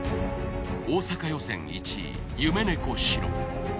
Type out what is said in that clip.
大阪予選１位夢猫シロ。